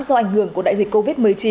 do ảnh hưởng của đại dịch covid một mươi chín